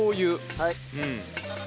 はい。